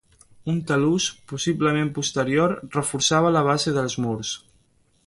Un talús, possiblement posterior, reforçava la base dels murs.